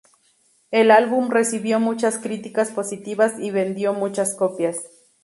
El álbum recibió muchas críticas positivas y vendió muchas copias.